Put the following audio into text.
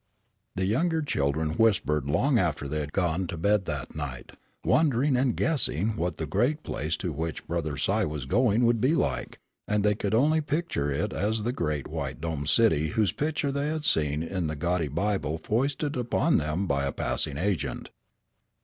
The younger children whispered long after they had gone to bed that night, wondering and guessing what the great place to which brother Si was going could be like, and they could only picture it as like the great white domed city whose picture they had seen in the gaudy Bible foisted upon them by a passing agent.